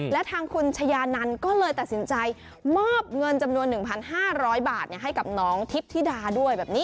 และทางคุณชายานันก็เลยตัดสินใจมอบเงินจำนวน๑๕๐๐บาทให้กับน้องทิพย์ธิดาด้วยแบบนี้